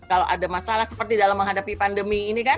kalau ada masalah seperti dalam menghadapi pandemi ini kan